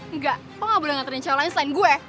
enggak kok gak boleh nganterin cewek lain selain gue